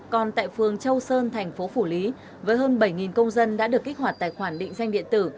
còn tại phường châu sơn thành phố phủ lý với hơn bảy công dân đã được kích hoạt tài khoản định danh điện tử